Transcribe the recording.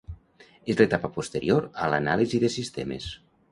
És l'etapa posterior a l'anàlisi de sistemes.